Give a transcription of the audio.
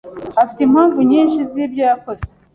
ufite impamvu nyinshi zibyo yakoze